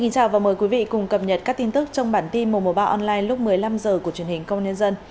chào mừng quý vị đến với bản tin mùa ba online lúc một mươi năm h của truyền hình công nhân dân